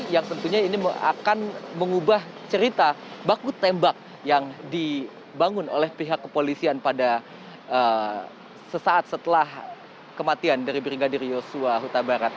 yang tentunya ini akan mengubah cerita baku tembak yang dibangun oleh pihak kepolisian pada sesaat setelah kematian dari brigadir yosua huta barat